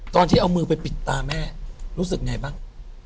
ตอนที่เอามือไปปิดตาแม่รู้สึกไงบ้าง